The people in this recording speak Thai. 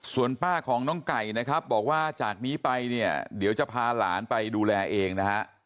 ส่วนป้าของน้องไก่นะครับบอกว่าจากนี้ไปจะพาหลานไปดูแลเองนะ